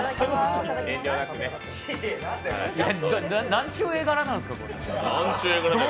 なんちゅう絵柄なんですか。